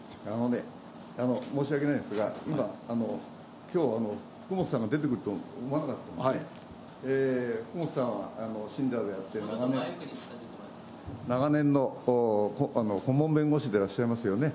申し訳ないですが、今、きょう、福本さんが出てくると思わなかったので、福本さんは信者であって、長年、長年の顧問弁護士でいらっしゃいますよね。